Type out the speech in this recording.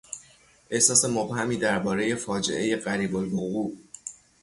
احساس مبهمی دربارهی فاجعهی قریبالوقوع